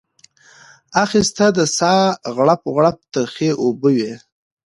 اخیسته د ساه غړپ غړپ ترخې اوبه وې